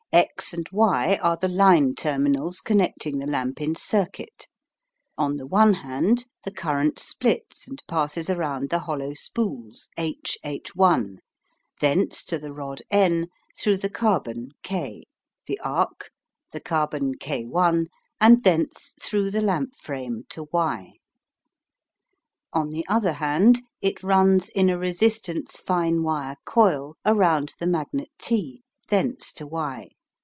X and Y are the line terminals connecting the lamp in circuit. On the one hand, the current splits and passes around the hollow spools H H', thence to the rod N through the carbon K, the arc, the carbon K', and thence through the lamp frame to Y. On the other hand, it runs in a resistance fine wire coil around the magnet T, thence to Y.